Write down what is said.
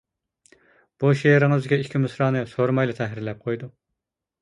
بۇ شېئىرىڭىزدىكى ئىككى مىسرانى سورىمايلا تەھرىرلەپ قويدۇم.